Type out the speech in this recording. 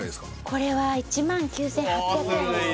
これは１９８００円です